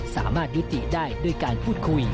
สามารถยุติได้ด้วยการพูดคุย